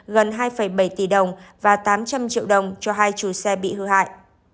gần hai bảy tỷ đồng và tám trăm linh triệu đồng cho hai chủ xe bị hư hại